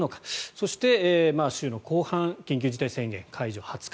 そして、週の後半緊急事態宣言解除、２０日。